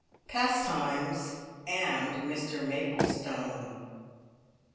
PASTIMES AND MR MAPLESTONE.